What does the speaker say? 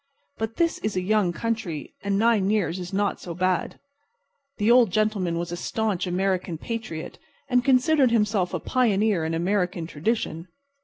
But this is a young country, and nine years is not so bad. The Old Gentleman was a staunch American patriot, and considered himself a pioneer in American tradition.